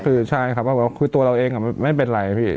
คือใช่ครับคือตัวเราเองไม่เป็นไรพี่